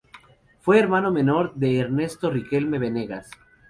Fue hermano menor de Ernesto Riquelme Venegas.